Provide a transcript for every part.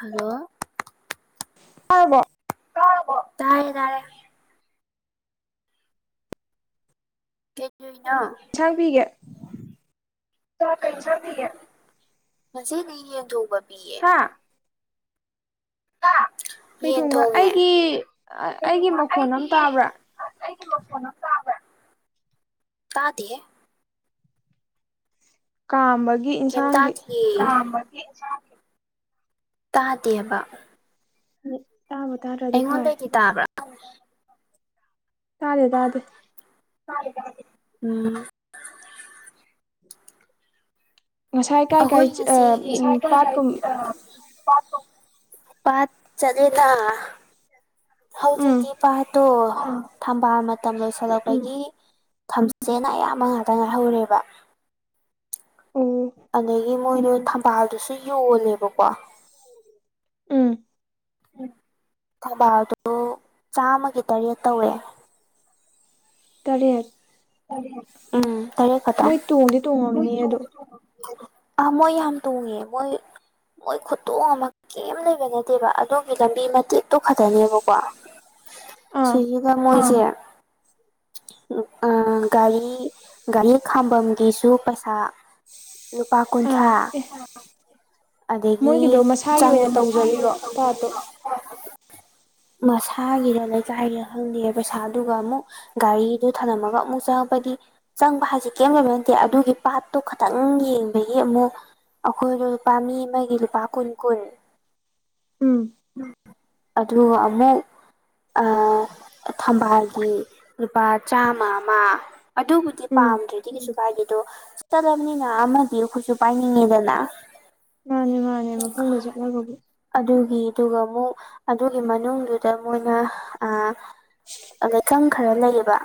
hello ꯑꯗ ꯇꯥꯔꯦ ꯇꯥꯔꯦ ꯍ ꯁꯪꯄꯤꯤꯒꯦ ꯩꯁ ꯃꯖꯤꯦ ꯅ ꯣꯕꯔ ꯍꯥꯥ ꯀꯩ ꯌꯦꯟ ꯊꯣꯡꯕ ꯊꯣꯡꯉꯦ ꯑꯩꯒꯤ ꯑꯩꯒꯤ ꯃꯈꯣꯟ ꯑꯃ ꯇꯥꯕ꯭ꯔꯥ ꯑꯩꯒꯤꯣꯟ ꯇꯥꯕ ꯇꯥꯗ ꯀꯥꯝꯕꯁ ꯀꯩꯝ ꯇꯥꯗꯌꯦ ꯇꯥꯗꯦꯕ ꯎꯝ ꯑꯩꯉꯣꯟꯗꯒꯤ ꯇꯥꯕ꯭ꯔꯥ ꯇꯥꯗꯦ ꯇꯥꯗꯦ ꯎꯝ ꯉꯁꯥꯏ ꯀꯥꯏ ꯀꯥꯏ ꯑꯈꯣꯏ ꯉꯁꯤ ꯎꯝ ꯄꯥꯠꯀꯨꯝ ꯄꯥꯠ ꯆꯠꯂꯦꯗ ꯎꯝ ꯍꯧꯖꯤꯛꯀꯤ ꯄꯥꯠꯇꯣ ꯊꯝꯕꯥꯜ ꯃꯇꯝ ꯎꯝ ꯂꯣꯏꯁꯤꯜꯂꯛꯄꯒꯤ ꯊꯝꯖꯁꯦꯅ ꯑꯌꯥꯝꯕ ꯉꯥꯛꯇ ꯉꯥꯏꯍꯧꯔꯦꯕ ꯑꯣ ꯑꯗꯨꯒꯤ ꯃꯣꯏꯗꯣ ꯊꯝꯕꯥꯜꯗꯨꯁꯨ ꯌꯣꯜꯂꯦꯕꯀꯣ ꯎꯝ ꯎ ꯊꯕꯥꯜꯗꯨ ꯆꯥꯝꯃꯒꯤ ꯇꯔꯦꯠ ꯇꯧꯋꯦ ꯇꯔꯦꯠ ꯎꯝ ꯀꯔ ꯈꯇꯝ ꯃꯣꯏ ꯇꯣꯡꯗꯤ ꯇꯣꯡꯉꯝꯅꯤ ꯑꯗꯣ ꯑꯥ ꯃꯣꯏ ꯌꯥꯝ ꯇꯣꯡꯉꯦ ꯃꯣꯏ ꯃꯣꯏ ꯈꯨꯠꯇꯣꯡ ꯑꯃ ꯀꯔꯤꯝ ꯂꯩꯕ ꯅꯠꯇꯦꯕ ꯑꯗꯣꯝꯒꯤ ꯂꯝꯕꯤ ꯃꯇꯦꯛꯇꯣ ꯈꯛꯇꯅꯦꯕꯀꯣ ꯑꯥ ꯁꯤꯒꯤ ꯀꯃꯣꯏꯁꯦ ꯒꯥꯔꯤ ꯒꯥꯔꯤ ꯈꯥꯝꯕꯒꯤꯁꯨ ꯄꯩꯁꯥ ꯂꯨꯄꯥ ꯑꯥ ꯀꯨꯟꯊ꯭ꯔꯥ ꯑꯦ ꯑꯗꯒꯤ ꯃꯣꯏꯒꯤꯗꯣ ꯃꯁꯥꯒꯤ ꯆꯥꯡ ꯑꯣꯏꯅ ꯇꯧꯖꯔꯤꯔꯣ ꯄꯥꯠꯇꯣ ꯃꯁꯥꯒꯤꯗ ꯂꯩꯀꯥꯏꯒꯤꯦ ꯈꯪꯗꯦ ꯄꯩꯁꯥꯗꯨꯒ ꯑꯃꯨꯛ ꯒꯥꯔꯤꯗꯨ ꯊꯝꯂꯝꯃꯒ ꯑꯃꯨꯛ ꯆꯪꯉ ꯆꯪꯕꯗꯤ ꯆꯪꯕ ꯍꯥꯏꯁꯤꯦ ꯀꯩꯝꯗꯕ ꯅꯠꯇꯦ ꯑꯗꯨꯒꯤ ꯄꯥꯠꯇꯨ ꯈꯤꯇꯪ ꯌꯦꯡꯕꯒꯤ ꯑꯃꯨꯛ ꯑꯩꯈꯣꯏꯗ ꯂꯨꯄꯥ ꯃꯤ ꯑꯃꯒꯤ ꯂꯨꯄꯥ ꯀꯨꯟ ꯀꯨꯟ ꯎꯝ ꯑꯗꯨ ꯑꯃꯦ ꯊꯝꯕꯥꯜꯒꯤ ꯂꯨꯄꯥ ꯆꯥꯃ ꯑꯃ ꯑꯗꯨꯕꯨꯗꯤ ꯎꯝ ꯄꯥꯝꯗ꯭ꯔꯗꯤ ꯀꯩꯁꯨ ꯗꯣ ꯆ ꯆꯠꯂꯕꯅꯤꯅ ꯑꯃꯗꯤ ꯑꯩꯈꯠꯁꯨ ꯄꯥꯏꯅꯤꯡꯉꯤꯗꯅ ꯅꯦ ꯃꯐꯝꯗ ꯆꯠꯂꯔꯕꯕꯨ ꯑꯗꯨꯒꯤ ꯑꯗꯨꯒ ꯑꯃꯨꯛ ꯑꯗꯨꯒꯤ ꯃꯅꯨꯡꯗꯨꯗ ꯃꯣꯏꯅ ꯑꯩꯊꯪ ꯈꯔ ꯂꯩꯌꯦꯕ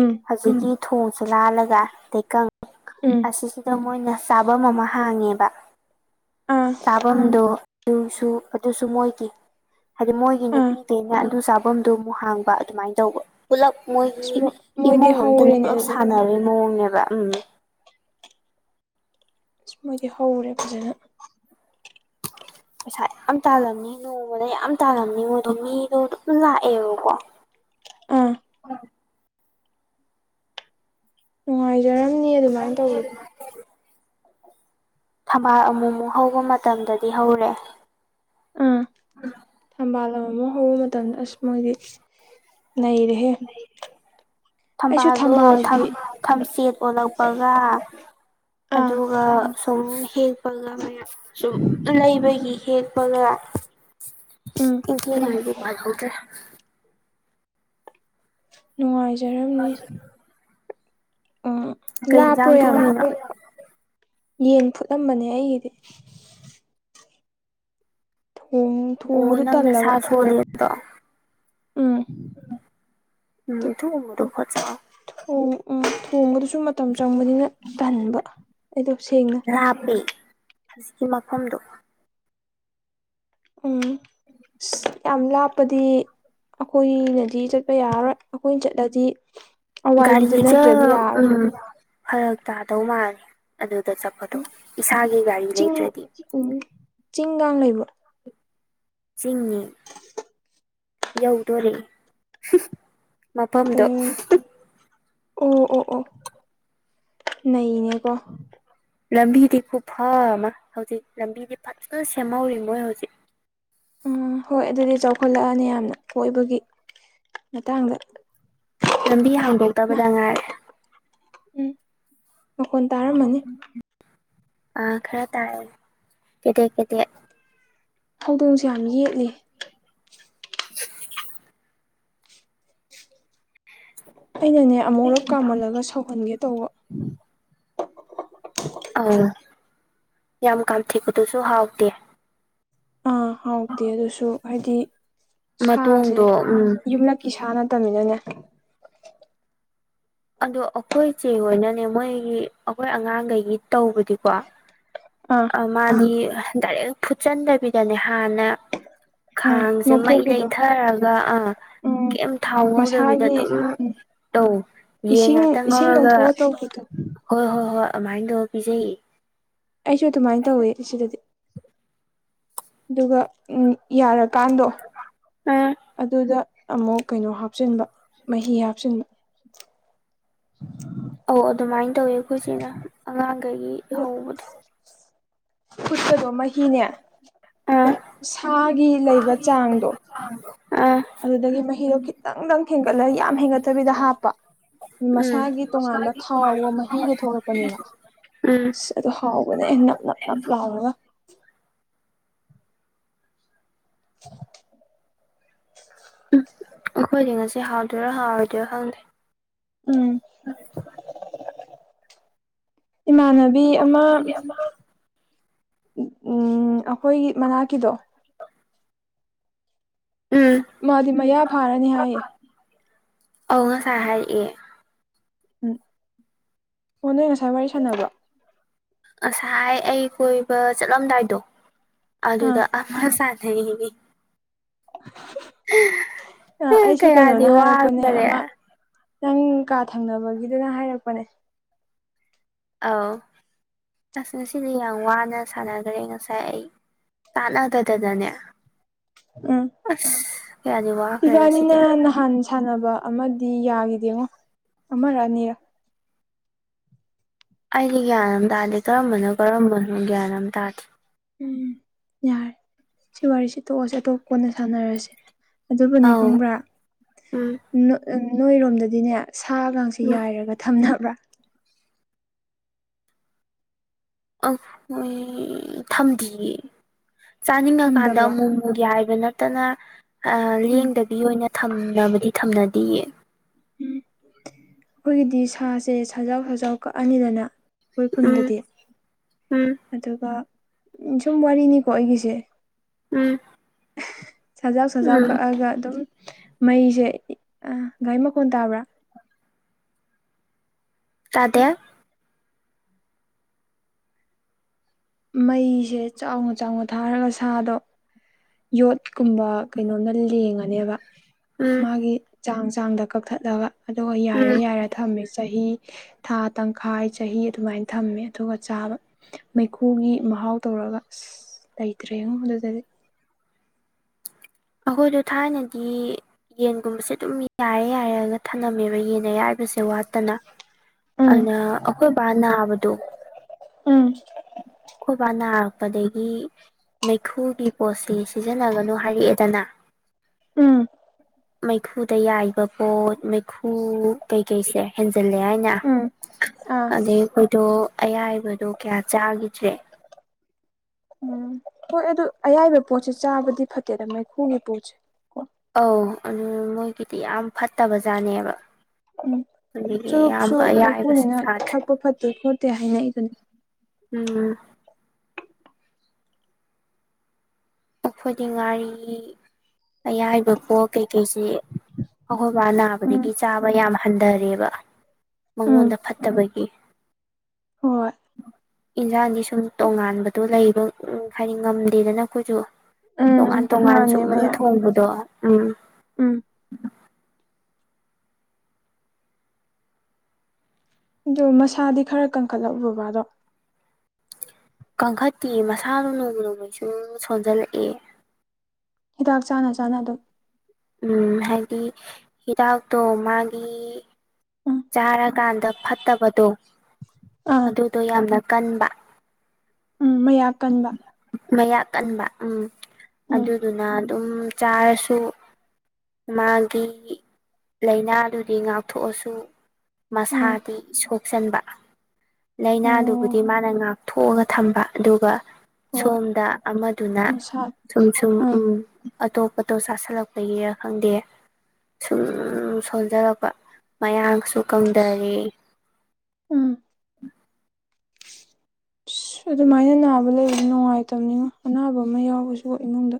ꯎꯝ ꯍꯧꯖꯤꯛꯀꯤ ꯊꯣꯡꯁꯦ ꯂꯥꯜꯂꯒ ꯇꯩꯀꯪ ꯎꯝ ꯑꯁꯤ ꯑꯗ ꯃꯣꯏꯅ ꯆꯥꯐꯝ ꯑꯃ ꯍꯥꯡꯉꯦꯕ ꯑꯥ ꯆꯥꯐꯝꯗꯨ ꯑꯗꯨꯁꯨ ꯑꯗꯨꯁꯨ ꯃꯣꯏꯈꯤ ꯍꯥꯏꯗꯤ ꯃꯣꯏꯒꯤ ꯑꯥ ꯅꯨꯄꯤꯗꯩꯅ ꯑꯗꯨ ꯆꯥꯐꯝꯗꯨ ꯑꯃꯨꯛ ꯍꯥꯡꯕ ꯑꯗꯨꯃꯥꯏꯅ ꯇꯧꯕ ꯄꯨꯂꯞ ꯃꯣꯏꯒꯤ ꯏꯁ ꯃꯣꯏꯗꯤ ꯏꯃꯨꯡ ꯑꯝꯇꯅ ꯍꯧꯔꯦꯅꯦ ꯄꯨꯂꯞ ꯑꯗꯨꯗꯤ ꯁꯥꯟꯅꯔꯤ ꯃꯑꯣꯡꯅꯦꯕ ꯎꯝ ꯑꯁ ꯃꯣꯏꯗꯤ ꯍꯧꯔꯦ ꯐꯖꯅ ꯄꯩꯁꯥ ꯌꯥꯝ ꯇꯥꯜꯂꯝꯅꯤ ꯅꯣꯡꯃꯗ ꯌꯥꯝ ꯇꯥꯜꯂꯝꯅꯤ ꯃꯣꯏꯗꯣ ꯃꯤꯗꯣ ꯑꯗꯨꯝ ꯂꯥꯛꯑꯦꯕꯀꯣ ꯑꯥ ꯎꯝ ꯅꯨꯡꯉꯥꯏꯖꯔꯝꯅꯤ ꯑꯗꯨꯃꯥꯏꯅ ꯇꯧꯕꯗꯣ ꯊꯝꯕꯥꯜ ꯑꯃꯨꯛ ꯑꯃꯨꯛ ꯍꯧꯕ ꯃꯇꯝꯗꯗꯤ ꯍꯧꯔꯦ ꯑꯥ ꯊꯝꯕꯥꯜ ꯑꯃ ꯑꯃꯨꯛ ꯍꯧꯕ ꯃꯇꯝꯗ ꯑꯁ ꯃꯣꯏꯗꯤ ꯅ ꯔꯦ ꯊꯝꯕꯥꯜꯗꯣ ꯊꯝꯆꯦꯠ ꯑꯣꯜꯂꯛꯄꯒ ꯑꯥ ꯑꯗꯨꯒ ꯁꯨꯝ ꯍꯦꯛꯄꯒ ꯃꯌꯥꯝ ꯁꯨꯝ ꯂꯩꯕꯒꯤ ꯍꯦꯛ ꯐ ꯎꯝ ꯏ ꯍꯥꯏꯦ ꯅꯨꯡꯉꯥꯏꯖꯔꯝꯅꯤ ꯎꯝ ꯀꯩ ꯂꯥꯛꯄ꯭ꯔꯣ ꯌꯦꯟꯖꯥꯡ ꯌꯥꯝꯅ ꯊꯣꯡꯉꯤꯅꯣ ꯑꯩꯈꯣꯏ ꯌꯦꯟ ꯐꯨꯠꯂꯝꯕꯅꯦ ꯑꯩꯒꯤꯗꯤ ꯊꯣꯡ ꯑꯣ ꯊꯣꯡꯕꯗ ꯅꯪ ꯇꯜꯂꯕ ꯅꯁꯥ ꯁꯣꯜꯂꯦ ꯑꯗꯣ ꯎꯝ ꯎꯝ ꯑꯊꯨꯒꯨꯝꯕꯗꯣ ꯈꯣꯠ ꯆꯥꯎ ꯎꯝ ꯇꯣꯡꯕꯗꯨꯁꯨ ꯃꯇꯝ ꯆꯪꯕꯅꯤꯅ ꯇꯍꯟꯕ ꯔꯥꯞꯄꯤ ꯍꯧꯖꯤꯛꯀꯤ ꯃꯐꯝꯗꯨꯣ ꯎꯝ ꯌꯥꯝ ꯂꯥꯞꯄꯗꯤ ꯑꯩꯈꯣꯏꯅꯗꯤ ꯆꯠꯄ ꯌꯥꯔꯔꯣꯏ ꯑꯩꯈꯣꯏꯅ ꯆꯠꯂꯗꯤ ꯑꯋꯥꯏꯕꯤꯗꯨ ꯒꯥꯔꯤꯁꯦ ꯅꯠꯇ꯭ꯔꯗꯤ ꯌꯥꯔꯔꯣꯏ ꯎꯝ ꯐꯔꯛ ꯇꯥꯗꯧ ꯃꯥꯂꯦ ꯑꯗꯨꯗ ꯆꯠꯄꯗꯣ ꯎꯝ ꯏꯁꯥꯒꯤ ꯒꯥꯔꯤ ꯂꯩꯇ꯭ꯔꯗꯤ ꯏꯅꯨꯡ ꯀꯥꯡꯥꯡ ꯂꯩꯕ꯭ꯔꯣ ꯆꯤꯅꯤ ꯌꯧꯗꯣꯣꯔꯦ ꯃꯐꯝꯗꯣ ꯑꯣ ꯑꯣ ꯑꯣ ꯑꯣ ꯅꯅꯦꯀꯣ ꯂꯝꯕꯤꯗꯤ ꯈꯨꯐ ꯑꯃ ꯍꯧꯖꯤꯛ ꯂꯝꯕꯤꯗꯤ ꯐꯖꯅ ꯁꯦꯝꯍꯧꯔꯤ ꯃꯣꯏ ꯍꯧꯖꯤꯛ ꯎꯝ ꯍꯣꯏ ꯑꯗꯨꯗꯤ ꯆꯥꯎꯈꯠꯂꯛꯑꯅꯤ ꯌꯥꯝꯅ ꯀꯣꯏꯕꯒꯤ ꯃꯇꯥꯡꯗ ꯂꯝꯕꯤ ꯃꯥ ꯍꯥꯡꯗꯣꯛꯇꯕꯗ ꯉꯥꯏꯔꯦ ꯎꯝ ꯃꯈꯣꯟ ꯇꯥꯔꯝꯃꯅꯤ ꯑ ꯈꯔ ꯇꯥꯔꯦ ꯀꯩꯗꯦꯛ ꯀꯦꯗꯦꯛ ꯍꯧꯗꯣꯡꯁꯨ ꯌꯥꯝ ꯌꯦꯠꯂ [unintelligible] ꯑꯩꯅꯅꯦ ꯑꯃꯨꯛꯨꯔꯛ ꯀꯥꯝꯃꯜꯂꯒ ꯁꯧꯍꯟꯒꯦ ꯇꯧꯕ ꯑꯧ ꯌꯥꯝ ꯀꯥꯝꯊꯤꯄꯗꯨꯁꯨ ꯍꯥꯎꯗꯦ ꯑꯥ ꯍꯥꯎꯇꯦ ꯑꯗꯨꯁꯨ ꯍꯥꯏꯗꯤ ꯁꯥꯁꯦ ꯃꯇꯣꯡꯗꯣ ꯎꯝ ꯌꯨꯝꯂꯛꯀꯤ ꯁꯥꯅ ꯇꯃꯤꯅꯅꯦ ꯑꯗꯣ ꯑꯩꯈꯣꯏꯁꯦ ꯑꯣꯏꯅꯅꯦ ꯃꯣꯏꯒꯤ ꯑꯩꯈꯣꯏ ꯑꯉꯥꯡꯈꯩꯒꯤ ꯇꯧꯕꯗꯤꯀꯣ ꯑꯥ ꯃꯥꯗꯤ ꯗꯥꯏꯔꯦꯛ ꯐꯨꯠꯆꯟꯗꯕꯤꯗꯅꯦ ꯍꯥꯟꯅ ꯑꯥ ꯈꯥꯡꯁꯦ ꯃꯩ ꯉꯧꯊꯣꯛꯄꯤꯗꯣ ꯂꯩꯊꯔꯒ ꯑꯥ ꯎꯝ ꯀꯩꯝ ꯊꯥꯎ ꯉꯧꯗꯕꯤꯗ ꯃꯁꯥꯒꯤ ꯑꯗꯨꯝ ꯇꯧ ꯌꯦꯟ ꯏꯁꯤꯡ ꯉꯥꯛꯇꯪ ꯏꯁꯤꯡ ꯉꯔꯒ ꯂꯧꯊꯣꯛꯑ ꯇꯧꯕꯗꯣ ꯍꯣꯏ ꯍꯣꯏ ꯍꯣꯏ ꯑꯗꯨꯃꯥꯏꯅ ꯇꯧꯔ ꯄꯤꯖꯌꯦ ꯑꯩꯁꯨ ꯑꯗꯨꯃꯥꯏꯅ ꯇꯧꯋꯦ ꯁꯤꯗꯗꯤ ꯑꯗꯨꯒ ꯎꯝ ꯌꯥꯔꯀꯥꯟꯗꯣ ꯎꯝ ꯑꯗꯨꯗ ꯑꯃꯨꯛ ꯀꯩꯅꯣ ꯍꯥꯞꯆꯤꯟꯕ ꯃꯍꯤ ꯍꯥꯞꯆꯤꯟꯕ ꯑꯧ ꯑꯗꯨꯃꯥꯏꯅ ꯇꯧꯋꯤ ꯑꯩꯈꯣꯏꯁꯤꯅ ꯑꯉꯥꯡꯈꯒꯤ ꯍꯧꯕꯗꯣ ꯁ ꯐꯨꯠꯇꯗꯣ ꯃꯍꯤꯅꯦ ꯁꯨꯝ ꯑꯥ ꯁꯥꯒꯤ ꯂꯩꯕ ꯆꯥꯡꯗꯣ ꯑꯥ ꯑꯗꯨꯗꯒꯤ ꯃꯍꯤꯗꯣ ꯈꯤꯇꯪꯗꯪ ꯊꯦꯡꯒꯠꯂꯒ ꯌꯥꯝ ꯍꯦꯟꯒꯠꯇꯕꯤꯗ ꯍꯥꯞꯄ ꯎꯝ ꯃꯁꯥꯒꯤ ꯇꯣꯉꯥꯟꯕ ꯊꯥꯎꯒ ꯃꯍꯤꯒ ꯊꯣꯛꯂꯛꯄꯅꯦꯕ ꯎꯝ ꯁ ꯑꯗꯨ ꯍꯥꯎꯕꯅꯦ ꯅꯞ ꯅꯞ ꯅꯞ ꯂꯥꯎꯔꯒ [unintelligible] ꯎꯝ ꯑꯩꯈꯣꯏꯗꯤ ꯉꯁꯤ ꯍꯥꯎꯗꯣꯏꯔꯥ ꯍꯥꯎꯔꯣꯏꯗꯣꯏꯔꯣ ꯈꯪꯗꯦ ꯎꯝ ꯑ ꯏꯃꯥꯟꯅꯕꯤ ꯑꯃ ꯍꯣꯏꯒꯤ ꯃꯅꯥꯛꯀꯤꯗꯣ ꯎꯝ ꯃꯥꯗꯤ ꯃꯌꯥ ꯐꯥꯔꯅꯤ ꯍꯥꯏꯌꯦ ꯑꯧ ꯉꯁꯥꯏ ꯍꯥꯏꯔꯑꯦ ꯎꯝ ꯑꯣ ꯅꯣꯏ ꯉꯁꯥꯏ ꯋꯥꯔꯤ ꯁꯥꯟꯅꯕꯣ ꯉꯁꯥꯏ ꯑꯩ ꯀꯣꯏꯕ ꯆꯠꯂꯝꯗꯥꯏꯗꯣ ꯑꯥ ꯑꯗꯨꯗ ꯑꯃ ꯆ ꯍ ꯑꯩꯁꯨ ꯀꯌꯥꯗꯤ ꯀꯩꯅꯣꯅ ꯍꯥꯏꯔꯛꯄꯅꯦ ꯋꯥꯈꯔꯦ ꯑꯃ ꯅꯪ ꯀꯥ ꯊꯪꯅꯕꯒꯤꯗꯨꯅ ꯍꯥꯏꯔꯛꯄꯅꯦ ꯑꯥꯎ ꯂꯥꯁꯅ ꯁꯤꯔꯤ ꯌꯥ ꯋꯥꯟ ꯁꯥꯟꯅꯈ꯭ꯔꯦ ꯉꯁꯥꯏ ꯑꯩ ꯆꯥꯟꯅꯗꯗꯅꯅꯦ ꯎꯝ ꯑꯁ ꯀꯌꯥꯗꯤ ꯋꯥꯈ꯭ꯔꯦ ꯉꯁꯤꯗꯤ ꯏꯕꯥꯅꯤꯅ ꯅꯍꯥꯟ ꯁꯥꯟꯅꯕ ꯑꯃ ꯗꯤ ꯌꯥꯈꯤꯗꯦꯉꯣ ꯑꯃꯔꯛꯑꯅꯤꯔ ꯑꯩꯗꯤ ꯒ꯭ꯌꯥꯟ ꯑꯃ ꯇꯥꯗꯦ ꯀꯔꯝꯕꯅꯣ ꯀꯔꯝꯕꯅꯣ ꯒ꯭ꯌꯥꯟ ꯑꯃ ꯇꯥꯗꯦ ꯎꯝ ꯌꯥꯔꯦ ꯁꯤ ꯋꯥꯔꯤꯁꯤ ꯇꯣꯛꯑꯁꯦ ꯑꯇꯣꯞꯄ ꯑꯣꯏꯅ ꯁꯥꯟꯅꯔꯁꯦ ꯑꯗꯨꯕꯨꯅꯦ ꯑꯧ ꯈꯪꯕ꯭ꯔꯥ ꯎꯝ ꯅꯣꯏꯔꯣꯝꯗꯗꯤꯅꯦ ꯁꯥꯒꯁꯤ ꯎꯝ ꯌꯥꯏꯔꯒ ꯊꯝꯅꯕ꯭ꯔꯥ ꯑ ꯍꯣꯏ ꯊꯝꯗꯤꯌꯦ ꯆꯥꯅꯤꯡꯉꯀꯥꯟꯗ ꯊꯝꯗꯕ꯭ꯔꯣ ꯑꯃꯨꯛꯨꯒꯤ ꯍꯥꯏꯕ ꯅꯠꯇꯅ ꯎꯝ ꯂꯦꯡꯗꯕꯤ ꯑꯣꯏꯅ ꯊꯝꯅꯕꯗꯤ ꯊꯝꯅꯗꯦꯌꯦ ꯑꯩꯈꯣꯏꯒꯤꯗꯤ ꯁꯥꯁꯦ ꯁꯟꯖꯥꯎ ꯁꯖꯥꯎ ꯀꯛꯑꯅꯤꯗꯅ ꯑꯩꯈꯣꯏ ꯎꯝ ꯈꯨꯟꯗꯗꯤ ꯎꯝ ꯑꯗꯨꯒ ꯎꯝ ꯁꯨꯝ ꯋꯥꯔꯤꯅꯤꯀꯣ ꯑꯩꯒꯤꯁꯦ ꯎꯝ ꯁꯖꯥꯎ ꯁꯖꯥꯎ ꯎꯝ ꯀꯛꯑꯒ ꯑꯗꯨꯝ ꯃꯩꯁꯦ ꯒꯥꯔꯤ ꯃꯈꯣꯟ ꯇꯥꯕ꯭ꯔꯥ ꯇꯗꯦ ꯃꯩꯁꯦ ꯆꯥꯎꯅ ꯆꯥꯎꯅ ꯊꯥꯔꯒ ꯁꯥꯗꯣ ꯌꯣꯠ ꯀꯨꯝꯕ ꯀꯩꯅꯣꯝꯅ ꯂꯦꯡꯉꯅꯦꯕ ꯎꯝ ꯃꯥꯒꯤ ꯆꯥꯡ ꯆꯥꯡꯗ ꯀꯛꯊꯠꯂꯒ ꯑꯗꯨꯒ ꯎꯝ ꯌꯥꯏꯔꯦ ꯌꯥꯏꯔꯦ ꯊꯝꯃꯦ ꯆꯍꯤ ꯊꯥ ꯇꯪꯈꯥꯏ ꯆꯍꯤ ꯑꯗꯨꯃꯥꯏꯅ ꯊꯝꯃꯦ ꯑꯗꯨꯒ ꯆꯥꯕ ꯃꯩꯈꯨꯒꯤ ꯃꯍꯥꯎ ꯇꯧꯔ ꯇꯒ ꯂꯩꯇ꯭ꯔꯦ ꯌꯦꯉꯣ ꯑꯗꯨꯗꯗꯤ ꯑꯩꯈꯣꯏꯗꯣ ꯊꯥꯏꯅꯗꯤ ꯌꯦꯟꯒꯨꯝꯕꯁꯦ ꯑꯗꯨꯝ ꯌꯥꯏꯔꯦ ꯌꯥꯏꯔꯦꯑꯒ ꯊꯝꯂꯝꯝꯃꯦꯕ ꯌꯦꯟ ꯑꯌꯥꯔꯤꯕꯁꯦ ꯋꯥꯠ ꯠꯇꯅ ꯎꯝ ꯑꯗꯨꯗ ꯑꯩꯈꯣꯏ ꯕꯥ ꯅꯥꯕꯗꯣ ꯎꯝ ꯑꯩꯣꯏꯕꯥ ꯅꯥꯔꯛꯄꯗꯒꯤ ꯃꯩꯈꯨꯒꯤ ꯄꯣꯠꯁꯤ ꯁꯤꯖꯤꯟꯅꯒꯅꯨ ꯍꯥꯏꯔꯤꯑꯦꯗꯅ ꯎꯝ ꯃꯩꯈꯨꯗ ꯌꯥꯏꯔꯤꯕ ꯄꯣꯠ ꯃꯩꯈꯨ ꯀꯩꯀꯩꯁꯦ ꯆꯜꯂꯦ ꯍꯥꯏꯅ ꯎꯝ ꯑꯥ ꯑꯗꯩ ꯑꯩꯈꯣꯏꯗꯣ ꯑꯌꯥꯏ ꯑꯗꯨꯗꯣ ꯀꯌꯥ ꯆꯥꯈꯤꯗ꯭ꯔꯦ ꯎꯝ ꯍꯣꯏ ꯑꯗꯨ ꯑꯌꯥꯏꯕ ꯄꯣꯠꯁꯦ ꯆꯥꯕꯗꯤ ꯐꯠꯇꯦꯗ ꯃꯩꯈꯨꯒꯤ ꯄꯣꯠꯁꯦ ꯑꯧ ꯑꯗꯨ ꯃꯣꯏꯒꯤꯗꯤ ꯌꯥꯝ ꯐꯠꯇꯕ ꯖꯥꯠꯅꯦꯕ ꯎꯝ ꯆꯨꯔꯨꯞꯁꯨ ꯑꯌꯥꯏꯕꯁꯨ ꯃꯩꯈꯨꯅꯤꯅ ꯆꯥꯗ꯭ꯔꯦ ꯊꯛꯄ ꯐꯠꯇꯣꯏ ꯈꯣꯠꯇꯦ ꯍꯥꯏꯅ ꯏꯗꯨꯅꯤ ꯎꯝ ꯑꯩꯈꯣꯏꯗꯤ ꯉꯥꯔꯤ ꯑꯌꯥꯏꯕꯀꯣ ꯀꯩꯀꯩꯁꯤ ꯑꯩꯈꯣꯏꯕ ꯎꯝ ꯅꯥꯕꯗꯒꯤ ꯆꯥꯕ ꯌꯥꯝ ꯍꯟꯊꯔꯦꯕ ꯎꯝ ꯃꯉꯣꯟꯗ ꯐꯠꯇꯕꯒꯤ ꯍꯣꯏ ꯏꯟꯁꯥꯡꯗꯤ ꯁꯨꯝ ꯇꯣꯉꯥꯟꯕꯗꯣ ꯂꯩꯕ ꯍꯥꯏꯗꯤ ꯉꯝꯗꯦꯗꯅ ꯑꯩꯈꯣꯏꯁꯨ ꯇꯣꯉꯥꯟ ꯎꯝ ꯇꯣꯉꯥꯟ ꯃꯥꯅꯦ ꯁꯨꯝ ꯃꯌꯥꯝ ꯊꯣꯡꯕꯗꯣ ꯎꯝ ꯎꯝ ꯑꯗꯨ ꯃꯁꯥꯗꯤ ꯈꯔ ꯀꯟꯈꯠꯂꯛꯎ ꯕꯕꯥꯗꯣ ꯀꯟꯈꯠꯇꯤꯌꯦ ꯃꯁꯥꯗꯣ ꯅꯣꯡꯃ ꯅꯣꯡꯃꯒꯤ ꯁꯨꯝ ꯁꯣꯟꯖꯜꯂꯛꯑꯦ ꯍꯤꯗꯥꯛ ꯆꯥꯅ ꯆꯥꯅ ꯑꯗꯨꯝ ꯎꯝ ꯍꯥꯏꯗꯤ ꯍꯤꯗꯥꯛꯇꯣ ꯃꯥꯒꯤ ꯎꯝ ꯆꯥꯔꯀꯥꯟꯗ ꯐꯠꯇꯕꯗꯣ ꯑꯥ ꯑꯗꯨꯗꯣ ꯌꯥꯝꯅ ꯀꯟꯕ ꯎꯝ ꯃꯌꯥꯛ ꯀꯟꯕ ꯃꯌꯥꯛ ꯀꯟꯕ ꯎꯝ ꯎꯝ ꯑꯗꯨꯗꯨꯅ ꯑꯗꯨꯝ ꯆꯥꯔꯁꯨ ꯃꯥꯒꯤ ꯂꯥꯏꯅꯥꯗꯨꯗꯤ ꯉꯥꯛꯊꯣꯛꯑꯁꯨ ꯎꯝ ꯃꯁꯥꯗꯤ ꯁꯣꯛ ꯆꯟꯕ ꯑꯣ ꯂꯥꯏꯅꯥꯗꯨꯕꯨꯗꯤ ꯃꯥꯅ ꯉꯥꯛꯊꯣꯛꯑꯒ ꯊꯝꯕ ꯑꯗꯨꯒ ꯍꯣꯏ ꯁꯣꯝꯗ ꯑꯃꯗꯨꯅ ꯃꯁꯥ ꯁꯨꯝ ꯁꯨꯝ ꯎꯝ ꯑꯇꯣꯞꯄꯇꯣ ꯆꯥꯁꯤꯜꯂꯛꯄꯒꯤꯔ ꯈꯪꯗꯦ ꯁꯨꯝ ꯁꯣꯟꯖꯂꯛꯄ ꯃꯌꯥꯡꯁꯨ ꯀꯪꯗꯔꯩ ꯎꯝ ꯑꯁ ꯑꯗꯨꯃꯥꯏꯅ ꯅꯥꯕ ꯂꯩꯕ ꯅꯨꯡꯉꯥꯏꯇꯕꯅꯤꯉꯣ ꯑꯅꯥꯕ ꯑꯃ ꯌꯥꯎꯕꯁꯨ ꯏꯃꯨꯡꯗ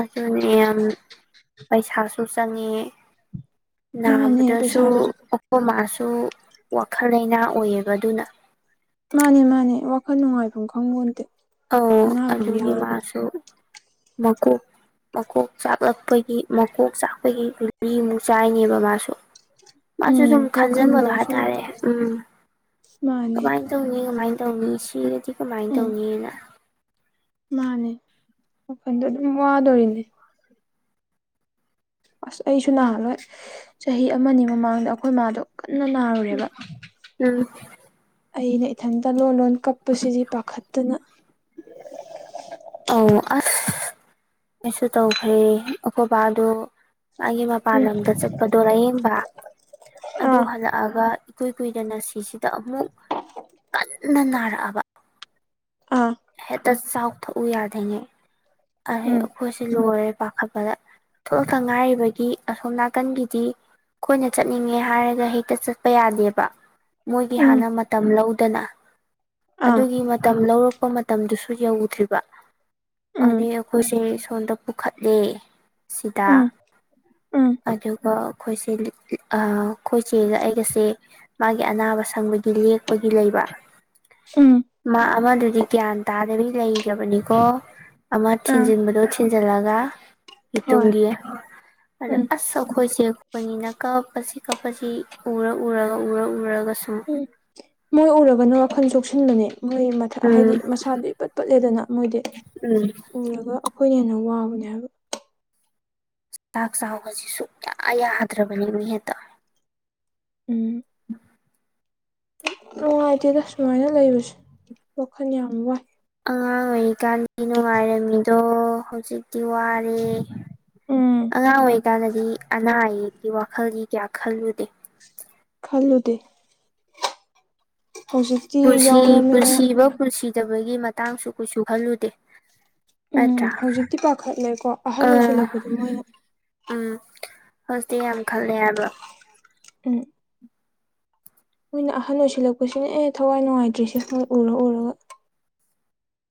ꯑꯗꯨꯅꯦ ꯌꯥꯝ ꯄꯩꯁꯥꯁꯨ ꯆꯪꯉꯤ ꯃꯥꯅꯦ ꯅꯥꯕꯥꯗꯁꯨ ꯄꯩꯁꯥꯁꯨ ꯑꯣꯄꯣꯃꯥꯁ ꯁꯨ ꯋꯥꯈꯜ ꯂꯩꯥꯏꯅꯥ ꯑꯣꯏꯌꯦꯕ ꯑꯗꯨꯅ ꯃꯥꯅꯦ ꯃꯥꯅꯦ ꯋꯥꯈꯜ ꯅꯨꯡꯉꯥꯏꯐꯝ ꯈꯪꯕꯣꯟꯗꯦ ꯑ ꯑꯗꯨꯒꯤ ꯃꯥꯁꯨ ꯃꯀꯣꯛ ꯃꯀꯣꯛ ꯆꯥꯛꯂꯛꯄꯒꯤ ꯃꯀꯣꯛ ꯆꯥꯛꯄꯒꯤ ꯒꯨꯂꯤ ꯃꯨꯛ ꯆꯥꯏꯅꯦꯕ ꯃꯥꯁꯨ ꯃꯥꯁꯨ ꯎꯝ ꯁꯨꯝ ꯋꯥꯈꯟꯗꯣ ꯈꯟꯖꯤꯟꯕꯗꯣ ꯍꯥꯏ ꯁꯨꯝ ꯇꯔꯦ ꯎꯝ ꯃꯥꯅꯦ ꯀꯃꯥꯏꯅ ꯇꯧꯅꯤ ꯀꯃꯥꯏꯅ ꯇꯧꯅꯤ ꯁꯤꯔꯗꯤ ꯀꯃꯥꯏꯅ ꯎꯝ ꯇꯧꯅꯤꯅ ꯃꯥꯅꯦ ꯋꯥꯈꯜꯗ ꯑꯗꯨꯝ ꯋꯥꯗꯣꯔꯤꯅꯦ ꯑꯁ ꯑꯩꯁꯨ ꯅꯍꯜꯂꯣꯏ ꯆꯍꯤ ꯑꯃꯅꯤ ꯃꯃꯥꯡꯗ ꯑꯩꯈꯣꯏ ꯃꯥꯗꯣ ꯀꯟꯅ ꯅꯥꯔꯨꯔꯦꯕ ꯎꯝ ꯑꯩꯅ ꯏꯊꯟꯇ ꯂꯣꯟ ꯂꯣꯟ ꯀꯛꯄꯁꯤꯗꯤ ꯄꯥꯈꯠꯇꯅ ꯑ ꯑꯁ ꯑꯩꯁꯨ ꯇꯧꯈ꯭ꯔꯦ ꯑꯩꯈꯣꯏꯕꯥꯗꯨ ꯃꯥꯒꯤ ꯃꯄꯥꯟ ꯎꯝ ꯂꯝꯗ ꯆꯠꯄꯗꯣ ꯂꯥꯏꯌꯦꯡꯕ ꯑꯗꯨ ꯑꯥ ꯍꯜꯂꯛꯑꯒ ꯏꯀꯨꯏ ꯀꯨꯏꯗꯅ ꯁꯤꯁꯤꯗ ꯑꯃꯨꯛ ꯀꯟꯅ ꯅꯥꯔꯛꯑꯕ ꯑꯥ ꯍꯦꯛꯇ ꯆꯥꯎꯊꯣꯛꯎ ꯌꯥꯗꯉꯩ ꯑꯩ ꯎꯝ ꯑꯩꯈꯣꯏꯁꯦ ꯂꯣꯏꯔꯦ ꯄꯥꯈꯠ ꯄꯗ ꯊꯣꯛꯂꯛꯇ ꯉꯥꯏꯔꯤꯕꯒꯤ ꯑꯁꯣꯝ ꯅꯥꯀꯟꯒꯤꯗꯤ ꯑꯩꯈꯣꯏꯅ ꯆꯠꯅꯤꯡꯉꯦ ꯍꯥꯏꯔꯒ ꯍꯦꯛꯇ ꯆꯠꯄ ꯌꯥꯗꯦꯕ ꯃꯣꯏꯒꯤ ꯎꯝ ꯍꯥꯟꯅ ꯃꯇꯝ ꯂꯧꯗꯅ ꯑꯥ ꯑꯗꯨꯒꯤ ꯃꯇꯝ ꯂꯧꯔꯛꯄ ꯃꯠ ꯃꯇꯝꯗꯨꯁꯨ ꯌꯧꯗ꯭ꯔꯤꯕ ꯎꯝ ꯑꯗꯩ ꯑꯩꯈꯣꯏꯁꯦ ꯁꯣꯝꯗ ꯄꯨꯈꯠꯂꯦ ꯁꯤꯗ ꯎꯝ ꯎꯝ ꯑꯗꯨꯒ ꯑꯩꯈꯣꯏꯁꯦ ꯂꯤꯠꯂꯤꯠ ꯑ ꯑꯩꯈꯣꯏ ꯆꯦꯒ ꯑꯩꯒꯁꯦ ꯃꯥꯒꯤ ꯑꯅꯥꯕ ꯁꯪꯕ ꯂꯦꯛꯄꯒꯤ ꯂꯩꯕ ꯎꯝ ꯃꯥ ꯑꯃꯟ ꯑꯗꯨꯗꯤ ꯒ꯭ꯌꯥꯟ ꯇꯥꯗꯕꯤ ꯂꯩꯒꯔꯕꯅꯤꯀꯣ ꯑꯃ ꯑꯥ ꯊꯤꯟꯖꯤꯟꯕꯗꯣ ꯊꯤꯟꯖꯤꯜꯂꯒ [unintelligible] ꯍꯣꯏ ꯎꯝ ꯌꯄꯅꯤꯅ ꯀꯞꯄꯁꯤ ꯀꯞꯄꯁꯤ ꯎꯔ ꯎꯔꯒ ꯎꯔ ꯎꯔꯒ ꯁꯨꯝ ꯎꯝ ꯃꯣꯏ ꯎꯔꯒꯅ ꯋꯥꯈꯜ ꯆꯣꯛꯁꯤꯟꯕꯅꯦ ꯃꯣꯏ ꯃꯊꯠ ꯑ ꯍꯥꯏꯗꯤ ꯎꯝ ꯃꯁꯥꯗꯨ ꯏꯄꯠ ꯄꯠꯂꯦꯗꯅ ꯃꯣꯏꯗꯤ ꯎꯝ ꯎꯔꯒ ꯑꯩꯈꯣꯏꯅ ꯍꯦꯟꯅ ꯋꯥꯕꯅꯦ ꯍꯥꯏꯕ ꯆꯥꯛ ꯆꯥꯎꯕꯁꯤ ꯁꯨꯛꯌꯥ ꯌꯥꯗ꯭ꯔꯕꯅꯤꯃꯤ ꯍꯦꯛꯇ ꯎꯝ [inaudible] ꯅꯨꯡꯉꯥꯏꯇꯦꯗ ꯁꯨꯃꯥꯏꯅ ꯂꯩꯕꯁꯦ ꯋꯥꯈꯜ ꯌꯥꯝ ꯋꯥꯏ ꯑꯉꯥꯡ ꯑꯣꯏꯔꯤꯀꯥꯟꯗꯤ ꯅꯨꯡꯉꯥꯏꯔꯝꯃꯤꯗꯣ ꯍꯧꯖꯤꯛ ꯇꯤ ꯋꯥꯔꯦ ꯎꯝ ꯑꯉꯥꯡ ꯑꯣꯏꯔꯤꯀꯥꯟꯗꯗꯤ ꯑꯅꯥ ꯑꯌꯦꯛ ꯋꯥꯈꯜꯒꯤ ꯀꯌꯥ ꯈꯜꯂꯨꯗꯦ ꯈꯜꯂꯨꯗ ꯄꯨꯁꯤ ꯌꯥꯎꯔꯃꯤꯅ ꯄꯨꯟꯁꯤꯕ ꯄꯨꯟꯁꯤꯗꯕꯒꯤ ꯃꯇꯥꯡꯁꯨ ꯀꯩꯁꯨ ꯈꯜꯂꯨꯗꯦ ꯎꯝ ꯅꯠꯇ꯭ꯔꯥ ꯍꯧꯖꯤꯛꯇꯤ ꯄꯥꯈꯠꯂꯦꯀꯣ ꯑꯍꯟ ꯑꯥ ꯑꯣꯏꯁꯜꯂꯛꯄꯗꯣ ꯃꯣꯏꯅ ꯎꯝ ꯍꯧꯖꯤꯛꯇꯤ ꯌꯥꯝ ꯈꯜꯂꯦ ꯍꯥꯏꯕ ꯎ ꯃꯣꯏꯅ ꯑꯍꯟ ꯑꯣꯏꯁꯤꯜꯂꯛꯄꯁꯤꯅ ꯑꯦ ꯊꯋꯥꯏ ꯅꯨꯡꯉꯥꯏꯇ꯭ꯔꯦꯁꯦꯣꯏ ꯎꯔ ꯎꯔꯒ